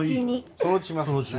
そのうちします。